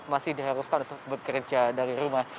masih diharuskan untuk bekerja dari rumah